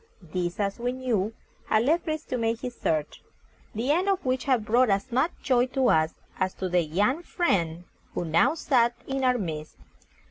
This, as we knew, had led Fritz to make his search, the end of which had brought as much joy to us as to the young friend who now sat in our midst.